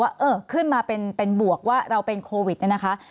เรายังเจอว่าขึ้นมาเป็นบวกว่าเราเป็นโควิดนะคะ